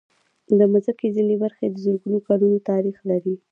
د مځکې ځینې برخې د زرګونو کلونو تاریخ لري.